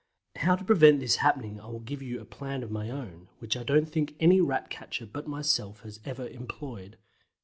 How to prevent this happening I will give you a plan of my own, which I don't think any Rat catcher but myself has ever employed.